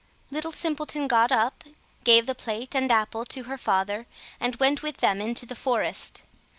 Little Simpleton got up, gave the plate and apple to her father, and went with them into the forest.